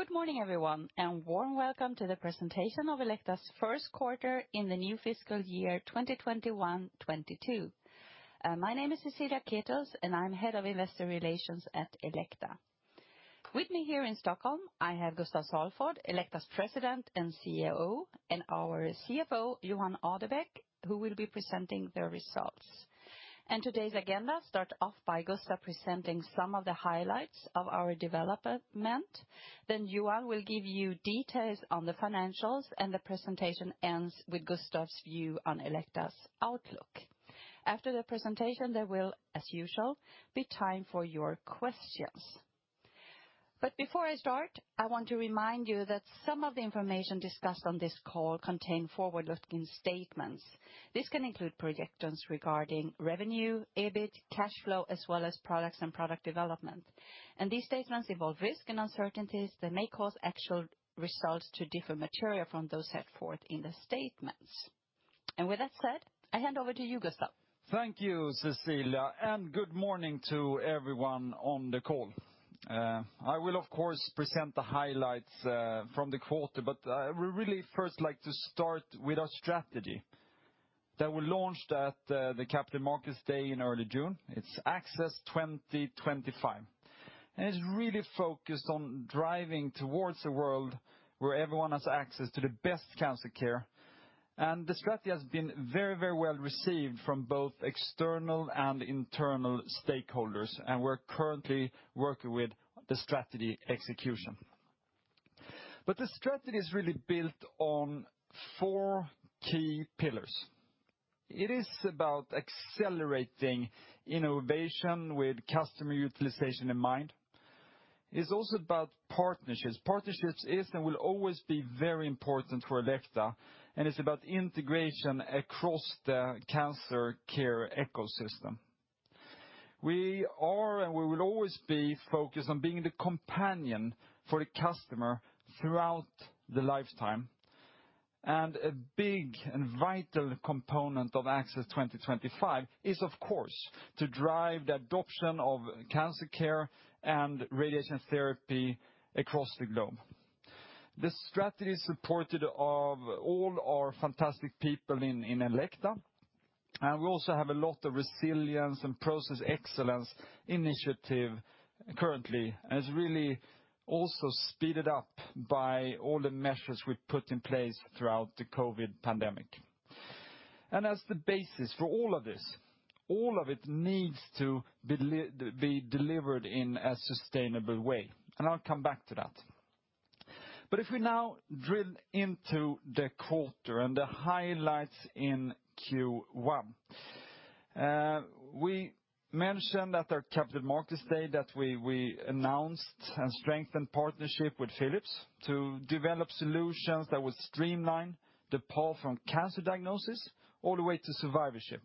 Good morning everyone, warm welcome to the presentation of Elekta's first quarter in the new fiscal year 2021-22. My name is Cecilia Ketels, and I'm Head of Investor Relations at Elekta. With me here in Stockholm, I have Gustaf Salford, Elekta's President and CEO, and our CFO, Johan Adebäck, who will be presenting the results. Today's agenda start off by Gustaf presenting some of the highlights of our development, then Johan will give you details on the financials, and the presentation ends with Gustaf's view on Elekta's outlook. After the presentation, there will, as usual, be time for your questions. Before I start, I want to remind you that some of the information discussed on this call contain forward-looking statements. This can include projections regarding revenue, EBIT, cash flow, as well as products and product development. These statements involve risks and uncertainties that may cause actual results to differ materially from those set forth in the statements. With that said, I hand over to you, Gustaf. Thank you, Cecilia. Good morning to everyone on the call. I will, of course, present the highlights from the quarter. I would really first like to start with our strategy that we launched at the Capital Markets Day in early June. It's Access 2025, and it's really focused on driving towards a world where everyone has access to the best cancer care. The strategy has been very well-received from both external and internal stakeholders, and we're currently working with the strategy execution. The strategy is really built on four key pillars. It is about accelerating innovation with customer utilization in mind. It's also about partnerships. Partnerships is and will always be very important for Elekta, and it's about integration across the cancer care ecosystem. We are and we will always be focused on being the companion for the customer throughout the lifetime. A big and vital component of Access 2025 is, of course, to drive the adoption of cancer care and radiation therapy across the globe. The strategy is supported of all our fantastic people in Elekta, and we also have a lot of resilience and process excellence initiative currently, and it's really also speeded up by all the measures we've put in place throughout the COVID pandemic. As the basis for all of this, all of it needs to be delivered in a sustainable way, and I'll come back to that. If we now drill into the quarter and the highlights in Q1. We mentioned at our Capital Markets Day that we announced and strengthened partnership with Philips to develop solutions that would streamline the path from cancer diagnosis all the way to survivorship,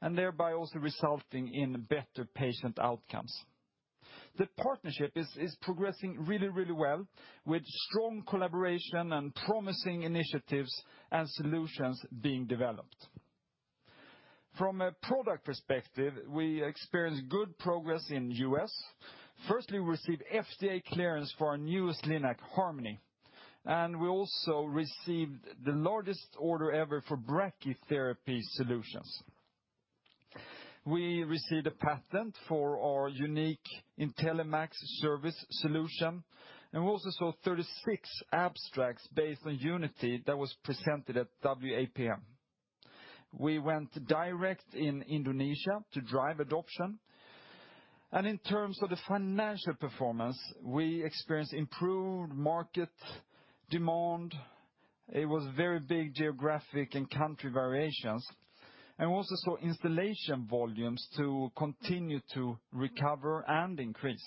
and thereby also resulting in better patient outcomes. The partnership is progressing really well with strong collaboration and promising initiatives and solutions being developed. From a product perspective, we experienced good progress in the U.S. Firstly, we received FDA clearance for our newest Linac, Harmony, and we also received the largest order ever for brachytherapy solutions. We received a patent for our unique IntelliMax service solution, and we also saw 36 abstracts based on Unity that was presented at WAPM. We went direct in Indonesia to drive adoption, and in terms of the financial performance, we experienced improved market demand. It was very big geographic and country variations, and we also saw installation volumes to continue to recover and increase.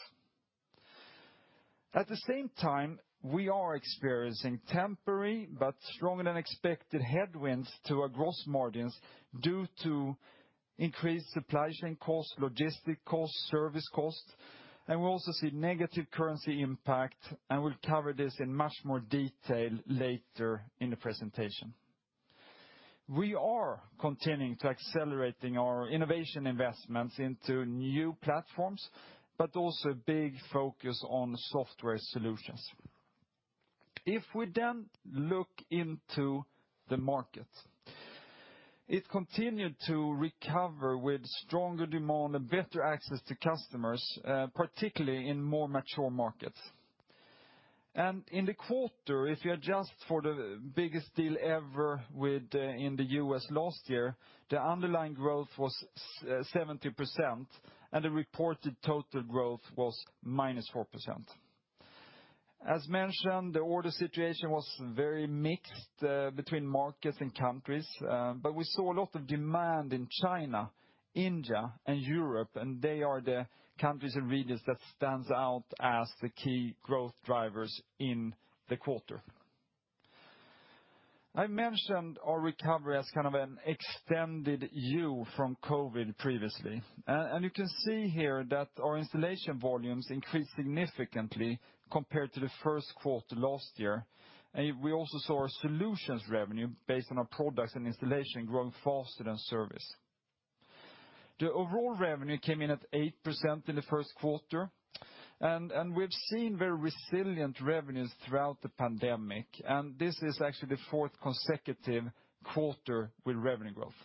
At the same time, we are experiencing temporary but stronger-than-expected headwinds to our gross margins due to increased supply chain costs, logistic costs, service costs, and we also see negative currency impact, and we'll cover this in much more detail later in the presentation. We are continuing to accelerating our innovation investments into new platforms, but also a big focus on software solutions. If we then look into the market, it continued to recover with stronger demand and better access to customers, particularly in more mature markets. In the quarter, if you adjust for the biggest deal ever in the U.S. last year, the underlying growth was 70%, and the reported total growth was -4%. As mentioned, the order situation was very mixed between markets and countries. We saw a lot of demand in China, India, and Europe, and they are the countries and regions that stands out as the key growth drivers in the quarter. I mentioned our recovery as kind of an extended U from COVID previously. You can see here that our installation volumes increased significantly compared to the first quarter last year, and we also saw our solutions revenue based on our products and installation growing faster than service. The overall revenue came in at 8% in the first quarter, and we've seen very resilient revenues throughout the pandemic. This is actually the fourth consecutive quarter with revenue growth.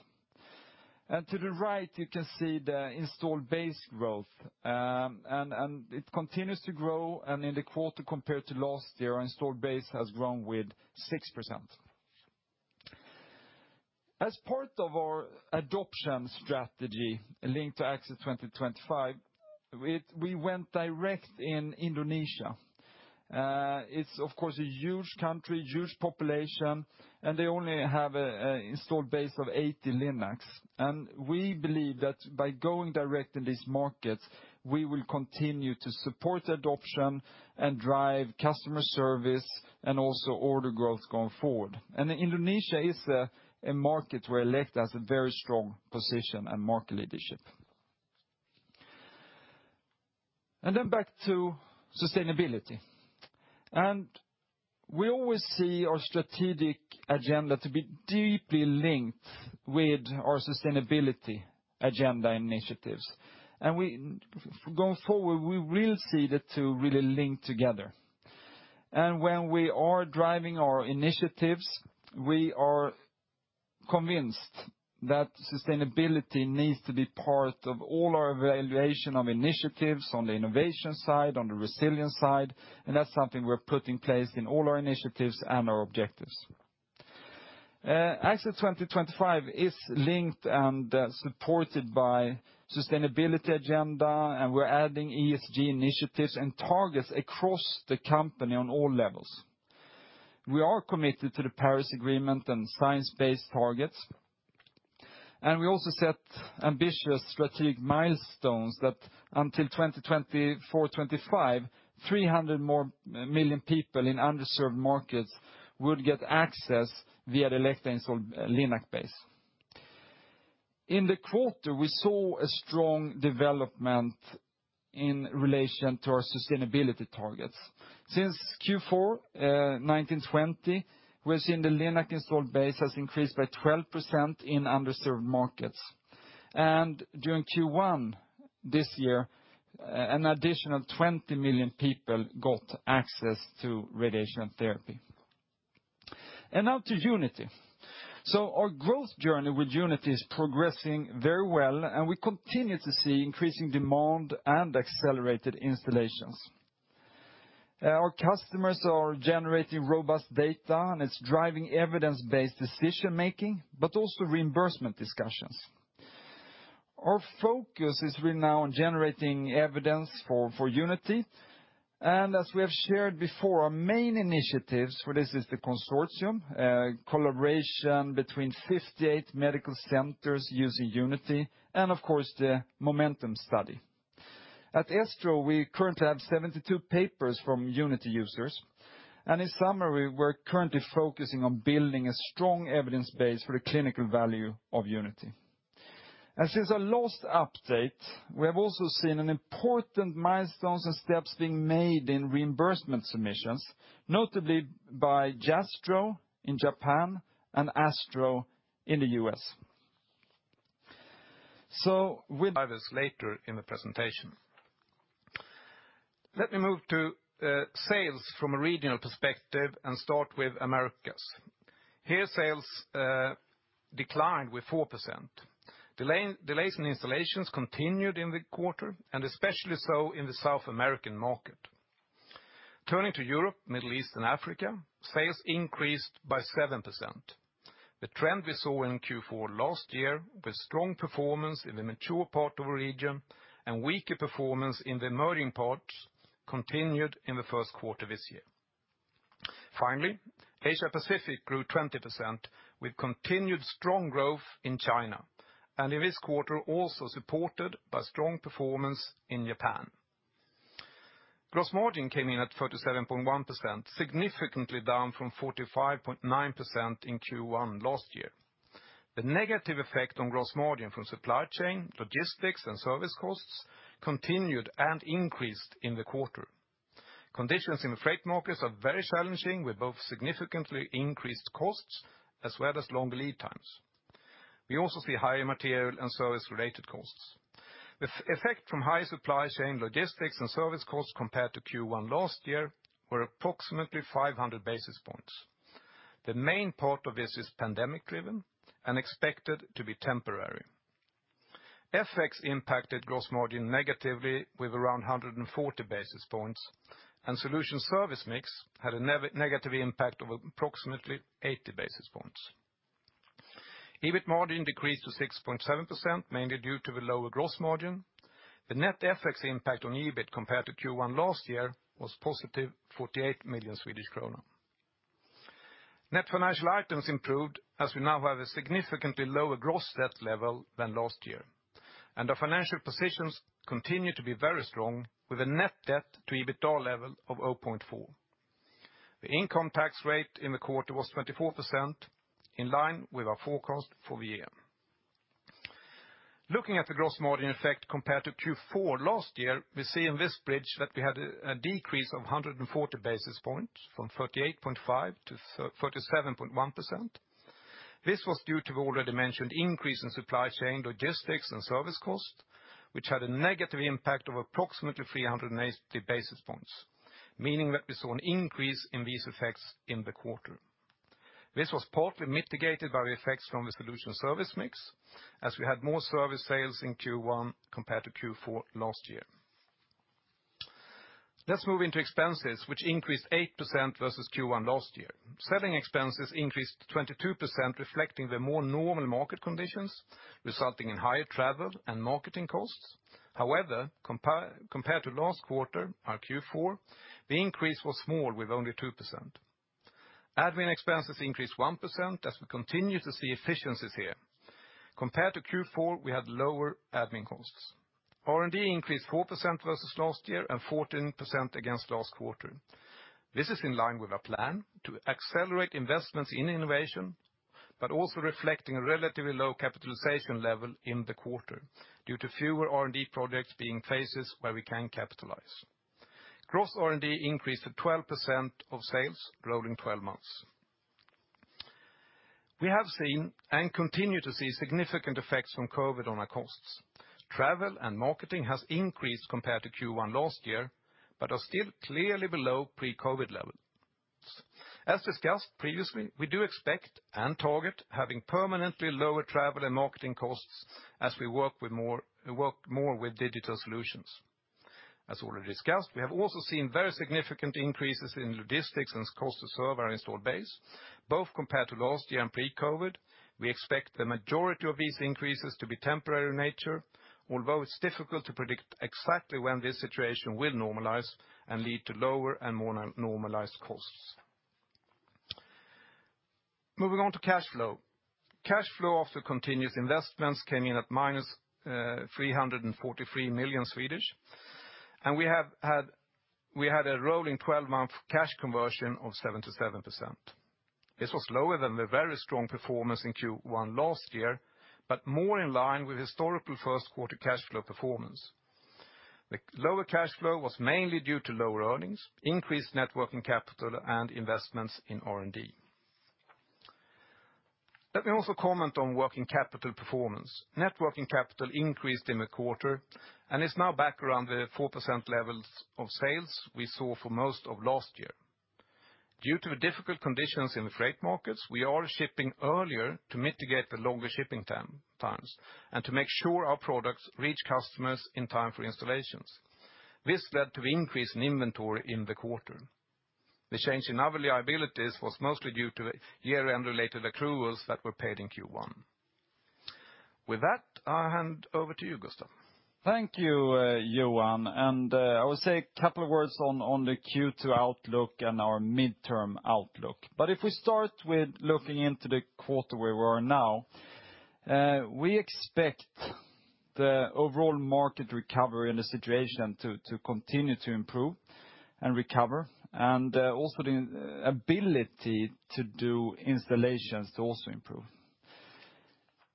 To the right, you can see the installed base growth, and it continues to grow, and in the quarter compared to last year, our installed base has grown with 6%. As part of our adoption strategy linked to Access 2025, we went direct in Indonesia. It's, of course, a huge country, huge population, and they only have an installed base of 80 Linacs. We believe that by going direct in these markets, we will continue to support adoption and drive customer service, and also order growth going forward. Indonesia is a market where Elekta has a very strong position and market leadership. Back to sustainability. We always see our strategic agenda to be deeply linked with our sustainability agenda initiatives. Going forward, we will see the two really link together. When we are driving our initiatives, we are convinced that sustainability needs to be part of all our evaluation of initiatives on the innovation side, on the resilience side, and that's something we're putting in place in all our initiatives and our objectives. Access 2025 is linked and supported by sustainability agenda, and we're adding ESG initiatives and targets across the company on all levels. We are committed to the Paris Agreement and science-based targets. We also set ambitious strategic milestones that until 2024/2025, 300 more million people in underserved markets would get access via the Elekta installed Linac base. In the quarter, we saw a strong development in relation to our sustainability targets. Since Q4 2019-2020, we've seen the Linac installed base has increased by 12% in underserved markets. During Q1 this year, an additional 20 million people got access to radiation therapy. Now to Unity. Our growth journey with Unity is progressing very well, and we continue to see increasing demand and accelerated installations. Our customers are generating robust data, and it's driving evidence-based decision-making, but also reimbursement discussions. Our focus is really now on generating evidence for Unity. As we have shared before, our main initiatives for this is the Elekta MR-linac Consortium, collaboration between 58 medical centers using Unity, and of course, the MOMENTUM study. At ESTRO, we currently have 72 papers from Unity users. In summary, we're currently focusing on building a strong evidence base for the clinical value of Unity. Since our last update, we have also seen an important milestones and steps being made in reimbursement submissions, notably by JASTRO in Japan and ASTRO in the U.S. We'll dive this later in the presentation. Let me move to sales from a regional perspective and start with Americas. Here, sales declined with 4%. Delays in installations continued in the quarter, especially so in the South American market. Turning to Europe, Middle East, and Africa, sales increased by 7%. The trend we saw in Q4 last year, with strong performance in the mature part of the region and weaker performance in the emerging parts, continued in the first quarter of this year. Finally, Asia Pacific grew 20% with continued strong growth in China, and in this quarter, also supported by strong performance in Japan. Gross margin came in at 37.1%, significantly down from 45.9% in Q1 last year. The negative effect on gross margin from supply chain, logistics, and service costs continued and increased in the quarter. Conditions in the freight markets are very challenging, with both significantly increased costs as well as longer lead times. We also see higher material and service-related costs. The effect from high supply chain logistics and service costs compared to Q1 last year were approximately 500 basis points. The main part of this is pandemic-driven and expected to be temporary. FX impacted gross margin negatively with around 140 basis points, and solution service mix had a negative impact of approximately 80 basis points. EBIT margin decreased to 6.7%, mainly due to the lower gross margin. The net FX impact on EBIT compared to Q1 last year was positive 48 million Swedish kronor. Net financial items improved as we now have a significantly lower gross debt level than last year. Our financial positions continue to be very strong with a net debt to EBITDA level of 0.4. The income tax rate in the quarter was 24%, in line with our forecast for the year. Looking at the gross margin effect compared to Q4 last year, we see in this bridge that we had a decrease of 140 basis points from 38.5% to 37.1%. This was due to the already mentioned increase in supply chain logistics and service cost, which had a negative impact of approximately 380 basis points, meaning that we saw an increase in these effects in the quarter. This was partly mitigated by the effects from the solution service mix as we had more service sales in Q1 compared to Q4 last year. Let's move into expenses, which increased 8% versus Q1 last year. Selling expenses increased 22%, reflecting the more normal market conditions, resulting in higher travel and marketing costs. Compared to last quarter, our Q4, the increase was small with only 2%. Admin expenses increased 1% as we continue to see efficiencies here. Compared to Q4, we had lower admin costs. R&D increased 4% versus last year and 14% against last quarter. This is in line with our plan to accelerate investments in innovation, but also reflecting a relatively low capitalization level in the quarter due to fewer R&D projects being phases where we can capitalize. Gross R&D increased to 12% of sales rolling 12 months. We have seen and continue to see significant effects from COVID on our costs. Travel and marketing has increased compared to Q1 last year, but are still clearly below pre-COVID levels. As discussed previously, we do expect and target having permanently lower travel and marketing costs as we work more with digital solutions. As already discussed, we have also seen very significant increases in logistics and cost to serve our installed base, both compared to last year and pre-COVID. We expect the majority of these increases to be temporary in nature, although it's difficult to predict exactly when this situation will normalize and lead to lower and more normalized costs. Moving on to cash flow. Cash flow after continuous investments came in at minus 343 million. We had a rolling 12-month cash conversion of 77%. This was lower than the very strong performance in Q1 last year, but more in line with historical first quarter cash flow performance. The lower cash flow was mainly due to lower earnings, increased net working capital and investments in R&D. Let me also comment on working capital performance. Net working capital increased in the quarter and is now back around the 4% levels of sales we saw for most of last year. Due to the difficult conditions in the freight markets, we are shipping earlier to mitigate the longer shipping times and to make sure our products reach customers in time for installations. This led to the increase in inventory in the quarter. The change in other liabilities was mostly due to year-end related accruals that were paid in Q1. With that, I'll hand over to you, Gustaf Salford. Thank you, Johan. I will say a couple of words on the Q2 outlook and our midterm outlook. If we start with looking into the quarter where we are now, we expect the overall market recovery and the situation to continue to improve and recover and also the ability to do installations to also improve.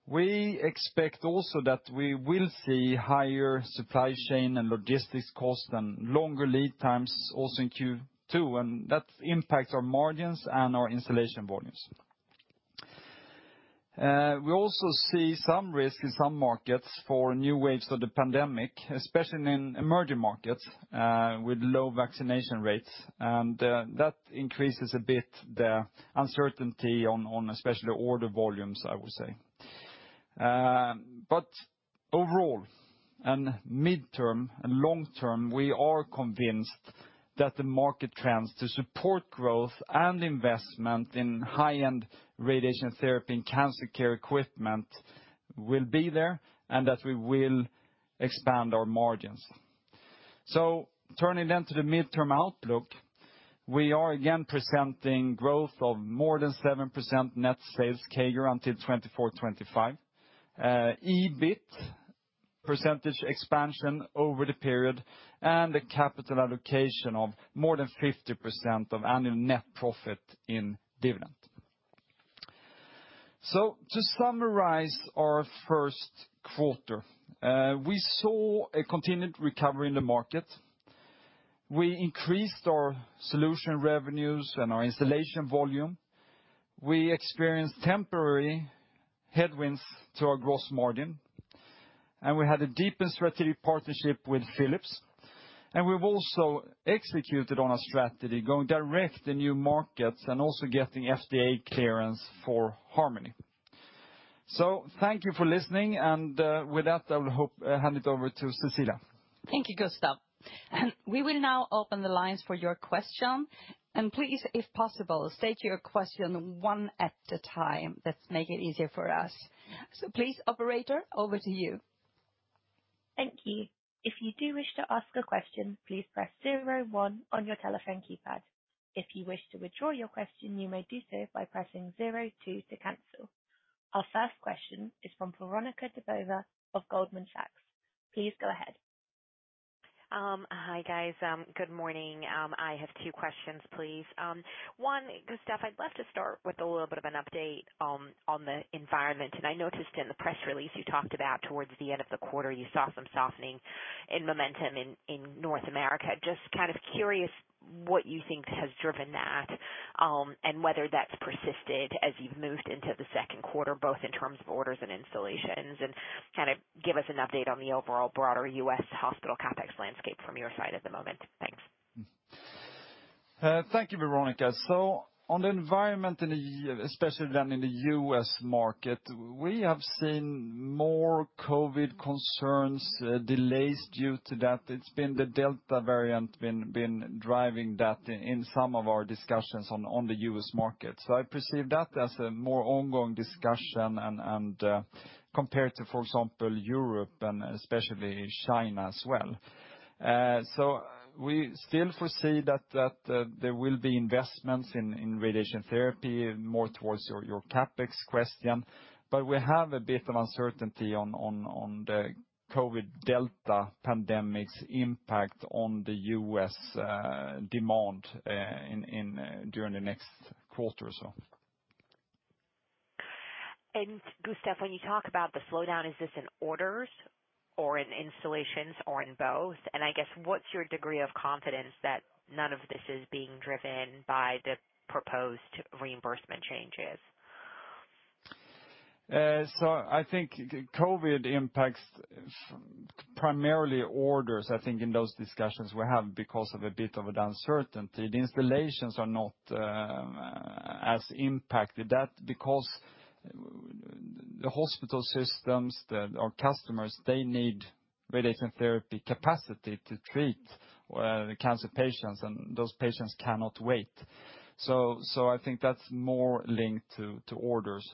We expect also that we will see higher supply chain and logistics costs and longer lead times also in Q2. That impacts our margins and our installation volumes. We also see some risk in some markets for new waves of the pandemic, especially in emerging markets, with low vaccination rates. That increases a bit the uncertainty on especially order volumes, I would say. Overall, and midterm and long-term, we are convinced that the market trends to support growth and investment in high-end radiation therapy and cancer care equipment will be there and that we will expand our margins. Turning then to the midterm outlook, we are again presenting growth of more than 7% net sales CAGR until 2024, 2025. EBIT percentage expansion over the period and a capital allocation of more than 50% of annual net profit in dividend. To summarize our first quarter, we saw a continued recovery in the market. We increased our solution revenues and our installation volume. We experienced temporary headwinds to our gross margin, and we had a deepened strategic partnership with Philips, and we've also executed on a strategy going direct in new markets and also getting FDA clearance for Harmony. Thank you for listening, and, with that, I will hand it over to Cecilia. Thank you, Gustaf. We will now open the lines for your question, and please, if possible, state your question 1 at a time. That make it easier for us. Please, operator, over to you. Thank you. If you do wish to ask a question, please press 01 on your telephone keypad. If you wish to withdraw your question, you may do so by pressing 02 to cancel. Our first question is from Veronika Dubajova of Goldman Sachs. Please go ahead. Hi, guys. Good morning. I have two questions, please. One, Gustaf, I'd love to start with a little bit of an update on the environment. I noticed in the press release you talked about towards the end of the quarter, you saw some softening in momentum in North America. Just kind of curious what you think has? Has driven that, whether that's persisted as you've moved into the second quarter, both in terms of orders and installations, give us an update on the overall broader U.S. hospital CapEx landscape from your side at the moment. Thanks. Thank you, Veronika. On the environment, especially in the U.S. market, we have seen more COVID concerns, delays due to that. It has been the Delta variant driving that in some of our discussions on the U.S. market. I perceive that as a more ongoing discussion compared to, for example, Europe and especially China as well. We still foresee that there will be investments in radiation therapy more towards your CapEx question. We have a bit of uncertainty on the COVID Delta pandemic's impact on the U.S. demand during the next one quarter or so. Gustaf, when you talk about the slowdown, is this in orders or in installations or in both? I guess, what's your degree of confidence that none of this is being driven by the proposed reimbursement changes? I think COVID impacts primarily orders, I think in those discussions we have because of a bit of an uncertainty. The installations are not as impacted. That because the hospital systems, our customers, they need radiation therapy capacity to treat cancer patients, and those patients cannot wait. I think that's more linked to orders.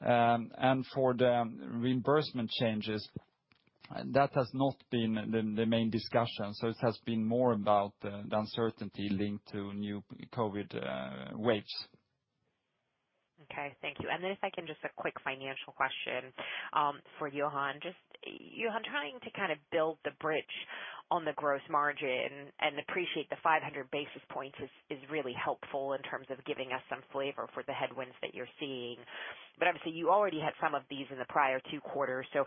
For the reimbursement changes, that has not been the main discussion. It has been more about the uncertainty linked to new COVID waves. Okay, thank you. Then if I can, just a quick financial question for Johan. Johan, trying to build the bridge on the gross margin and appreciate the 500 basis points is really helpful in terms of giving us some flavor for the headwinds that you're seeing. Obviously, you already had some of these in the prior two quarters, so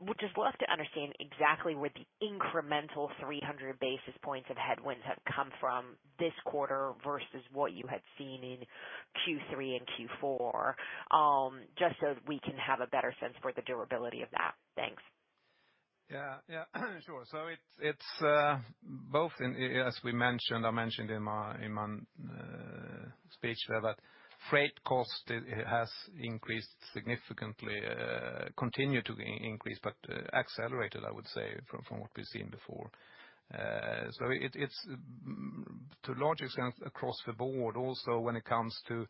would just love to understand exactly where the incremental 300 basis points of headwinds have come from this quarter versus what you had seen in Q3 and Q4, just so we can have a better sense for the durability of that. Thanks. Yeah. Sure. It's both in, as I mentioned in my speech, that freight cost has increased significantly, continued to increase, but accelerated, I would say, from what we've seen before. It's to a large extent across the board also when it comes to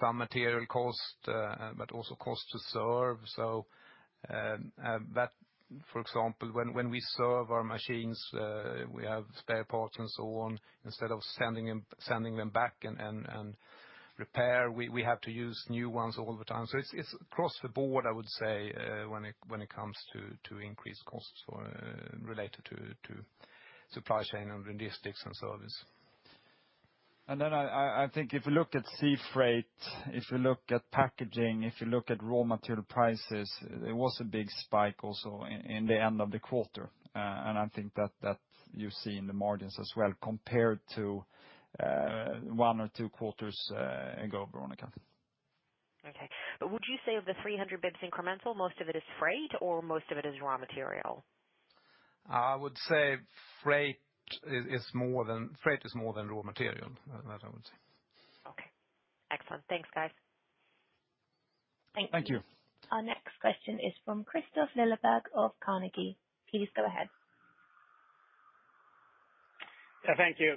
some material cost, but also cost to serve. For example, when we serve our machines, we have spare parts and so on. Instead of sending them back and repair, we have to use new ones all the time. It's across the board, I would say, when it comes to increased costs related to supply chain and logistics and service. I think if you look at sea freight, if you look at packaging, if you look at raw material prices, there was a big spike also in the end of the quarter. I think that you see in the margins as well compared to one or two quarters ago, Veronika. Okay. Would you say of the 300 basis points incremental, most of it is freight or most of it is raw material? I would say freight is more than raw material. That I would say. Okay. Excellent. Thanks, guys. Thank you. Thank you. Our next question is from Kristofer Liljeberg of Carnegie. Please go ahead. Yeah, thank you.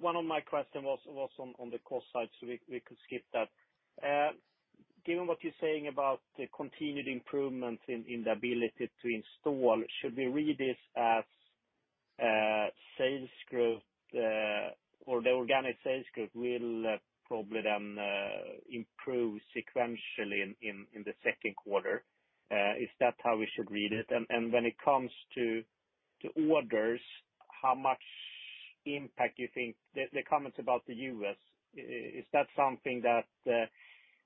One of my question was on the cost side, we could skip that. Given what you're saying about the continued improvements in the ability to install, should we read this as sales growth or the organic sales growth will probably then improve sequentially in the second quarter? Is that how we should read it? When it comes to orders, how much impact you think-- the comments about the U.S., is that something that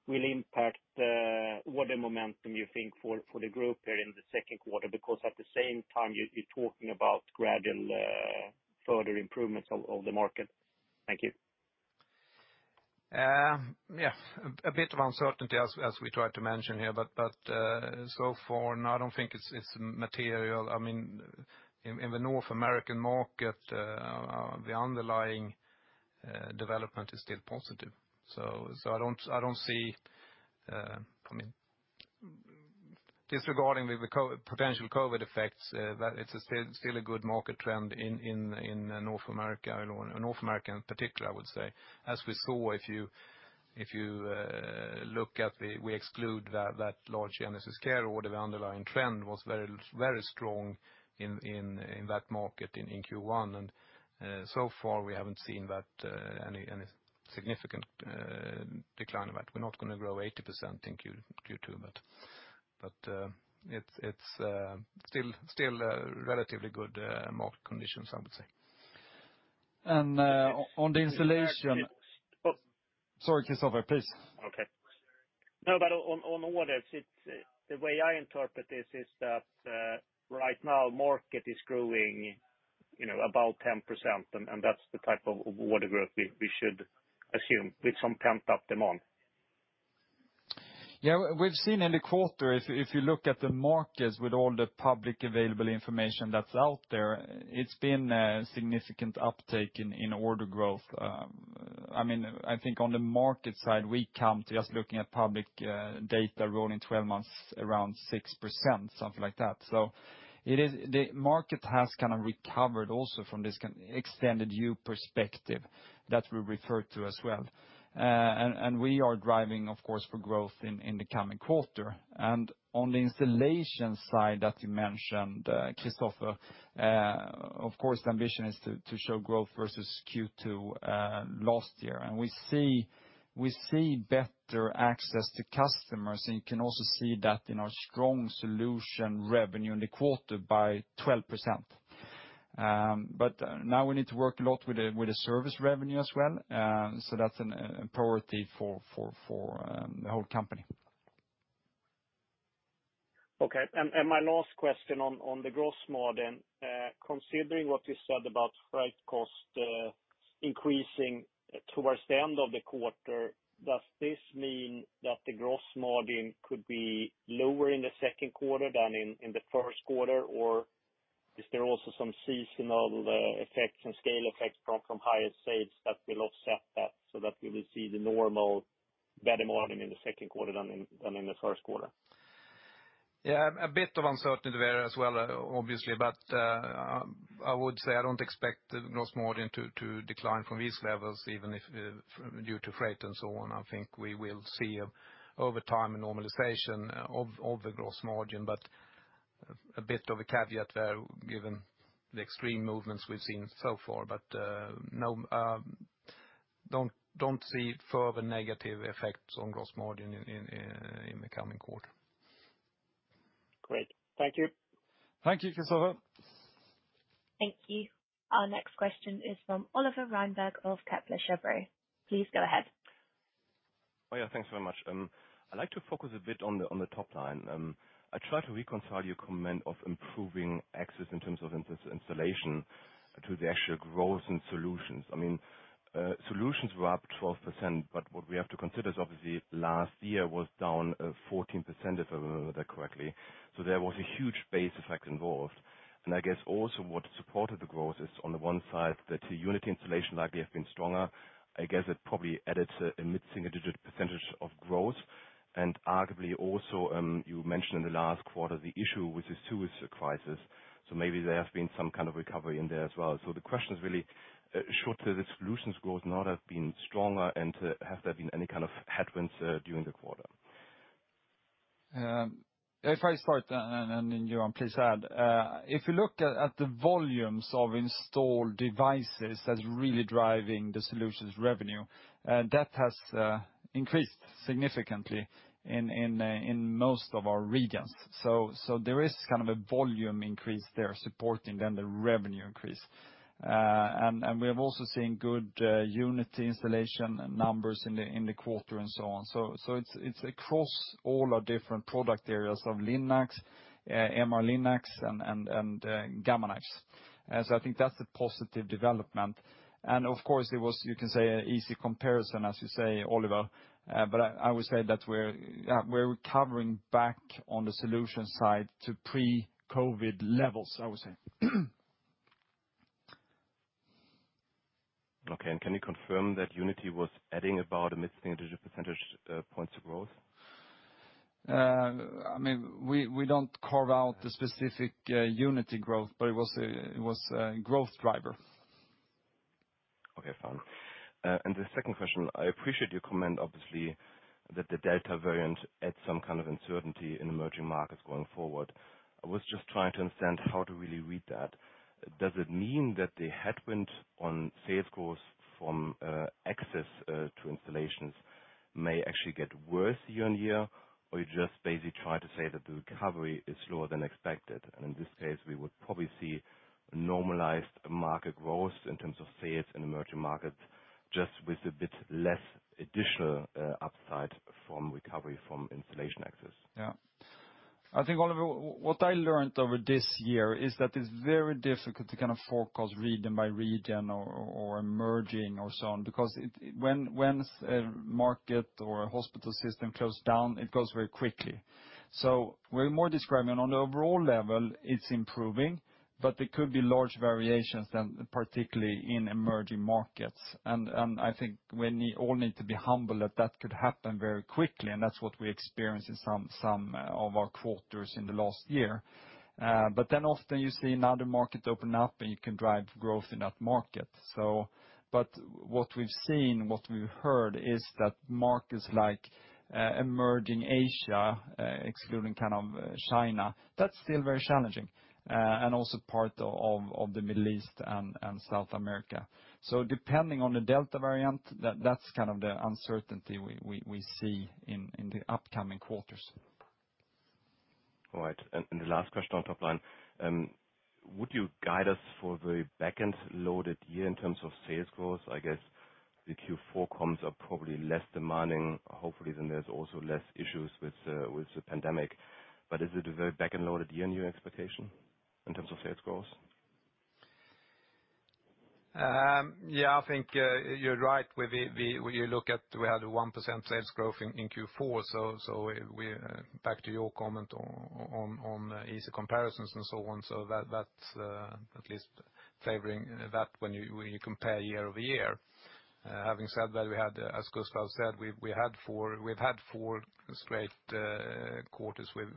will impact the order momentum you think for the group here in the second quarter? At the same time, you're talking about gradual further improvements of the market. Thank you. Yeah, a bit of uncertainty as we try to mention here. So far, no, I don't think it's material. In the North American market, the underlying development is still positive. Disregarding the potential COVID effects, that it's still a good market trend in North America, in particular, I would say. As we saw, if you look at the, we exclude that large GenesisCare order, the underlying trend was very strong in that market in Q1. So far, we haven't seen any significant decline of that. We're not going to grow 80% in Q2, it's still relatively good market conditions, I would say. Sorry, Kristofer. Please. Okay. No, on orders, the way I interpret this is that right now market is growing about 10%, That's the type of order growth we should assume with some pent-up demand. Yeah, we've seen in the quarter, if you look at the markets with all the public available information that's out there, it's been a significant uptake in order growth. I think on the market side, we come to just looking at public data rolling 12 months around 6%, something like that. The market has kind of recovered also from this extended U perspective that we referred to as well. We are driving, of course, for growth in the coming quarter. On the installation side that you mentioned, Kristofer, of course, the ambition is to show growth versus Q2 last year. We see better access to customers, and you can also see that in our strong solution revenue in the quarter by 12%. Now we need to work a lot with the service revenue as well. That's a priority for the whole company. Okay. My last question on the gross margin. Considering what you said about freight cost increasing towards the end of the quarter, does this mean that the gross margin could be lower in the second quarter than in the first quarter? Or is there also some seasonal effect, some scale effect from higher sales that will offset that so that we will see the normal better margin in the second quarter than in the first quarter? Yeah, a bit of uncertainty there as well, obviously. I would say I don't expect the gross margin to decline from these levels, even if due to freight and so on. I think we will see over time a normalization of the gross margin, but a bit of a caveat there given the extreme movements we've seen so far. Don't see further negative effects on gross margin in the coming quarter. Great. Thank you. Thank you, Kristofer. Thank you. Our next question is from Oliver Reinberg of Kepler Cheuvreux. Please go ahead. Yeah. Thanks very much. I'd like to focus a bit on the top line. I try to reconcile your comment of improving access in terms of installation to the actual growth in solutions. Solutions were up 12%. What we have to consider is obviously last year was down 14%, if I remember that correctly. There was a huge base effect involved. I guess also what supported the growth is on the one side that the unit installation likely have been stronger. I guess it probably added a mid-single digit percentage of growth. Arguably also, you mentioned in the last quarter the issue with the Suez crisis. Maybe there has been some kind of recovery in there as well. The question is really, should the solutions growth now have been stronger, and has there been any kind of headwinds during the quarter? If I start, then Johan, please add. If you look at the volumes of installed devices that's really driving the solutions revenue, that has increased significantly in most of our regions. There is a volume increase there supporting then the revenue increase. We have also seen good unit installation numbers in the quarter and so on. It's across all our different product areas of Linac, MR-linac, and Gamma Knives. I think that's a positive development. Of course, it was, you can say, an easy comparison, as you say, Oliver, but I would say that we're recovering back on the solution side to pre-COVID levels, I would say. Okay. Can you confirm that Unity was adding about a mid-single digit percentage points of growth? We don't carve out the specific Unity growth, but it was a growth driver. Okay, fine. The second question, I appreciate your comment, obviously, that the Delta variant adds some kind of uncertainty in emerging markets going forward. I was just trying to understand how to really read that. Does it mean that the headwind on sales growth from access to installations may actually get worse year -on- year? You're just basically trying to say that the recovery is slower than expected, and in this case, we would probably see normalized market growth in terms of sales in emerging markets, just with a bit less additional upside from recovery from installation access? Yeah. I think, Oliver, what I learned over this year is that it's very difficult to forecast region by region or emerging or so on, because when a market or a hospital system closed down, it goes very quickly. We're more describing on the overall level, it's improving, but there could be large variations then, particularly in emerging markets. I think we all need to be humble that that could happen very quickly, and that's what we experienced in some of our quarters in the last year. Often you see another market open up, and you can drive growth in that market. What we've seen, what we've heard is that markets like emerging Asia, excluding China, that's still very challenging, and also part of the Middle East and South America. Depending on the Delta variant, that's the uncertainty we see in the upcoming quarters. All right. The last question on top line. Would you guide us for a very back-end loaded year in terms of sales growth? I guess the Q4 comms are probably less demanding, hopefully, than there's also less issues with the pandemic. Is it a very back-end loaded year in your expectation in terms of sales growth? Yeah, I think you're right. When you look at we had a 1% sales growth in Q4, so back to your comment on easy comparisons and so on, so that's at least favoring that when you compare year-over-year. Having said that, as Gustaf said, we've had four straight quarters with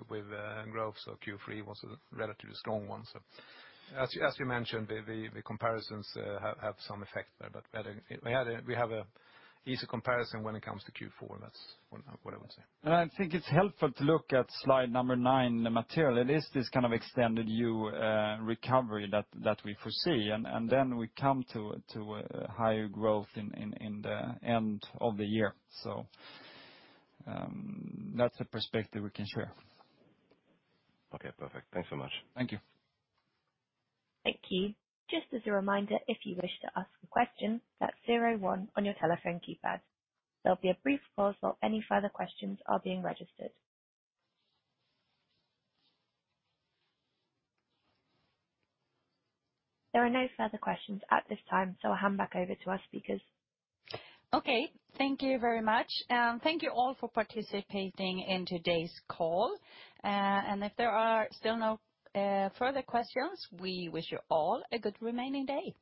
growth, so Q3 was a relatively strong one. As you mentioned, the comparisons have some effect there, but we have an easy comparison when it comes to Q4. That's what I would say. I think it's helpful to look at slide number nine material. It is this kind of extended U recovery that we foresee, and then we come to a higher growth in the end of the year. That's the perspective we can share. Okay, perfect. Thanks so much. Thank you. Thank you. Just as a reminder, if you wish to ask a question, that's 01 on your telephone keypad. There'll be a brief pause while any further questions are being registered. There are no further questions at this time, so I'll hand back over to our speakers. Okay. Thank you very much. Thank you all for participating in today's call. If there are still no further questions, we wish you all a good remaining day.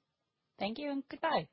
Thank you and goodbye.